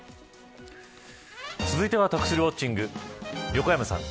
続いては得するウォッチング！